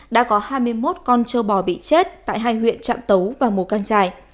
đã có hai mươi một con trâu bò bị chết tại hai huyện trạm tấu và mù căng trải